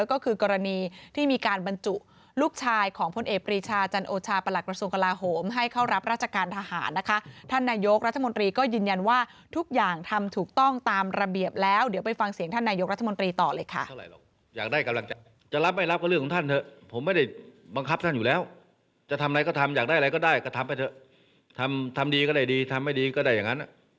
โอชาประหลักประสงค์กระลาฮมให้เข้ารับราชการทหารนะคะท่านนายกรัฐมนตรีก็ยืนยันว่าทุกอย่างทำถูกต้องตามระเบียบแล้วเดี๋ยวไปฟังเสียงท่านนายกรัฐมนตรีต่อเลยค่ะ